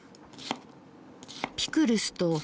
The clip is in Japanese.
ピクルスと。